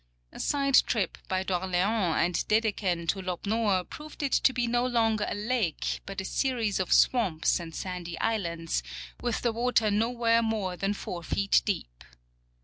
A side trip by d'Orleans and Dede ken to Lob nor proved it to be no longer a lake but a series of swamps and sandy islands, with the water nowhere more than four feet deep.